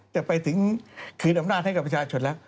จะไปถึงคืนอำนาจให้กับประชาชนแล้ว